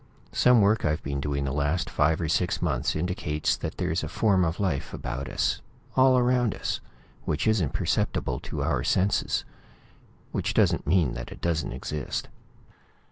Some work I've been doing the last five or six months indicates that there's a form of life about us, all around us, which isn't perceptible to our senses which doesn't mean that it doesn't exist.